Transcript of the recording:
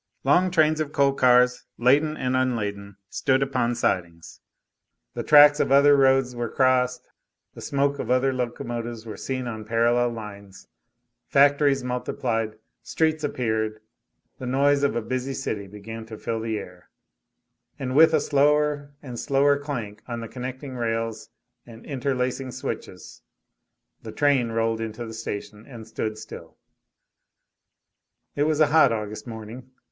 Long trains of coal cars, laden and unladen, stood upon sidings; the tracks of other roads were crossed; the smoke of other locomotives was seen on parallel lines; factories multiplied; streets appeared; the noise of a busy city began to fill the air; and with a slower and slower clank on the connecting rails and interlacing switches the train rolled into the station and stood still. It was a hot August morning.